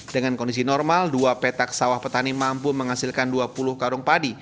dengan kondisi normal dua petak sawah petani mampu menghasilkan dua puluh karung padi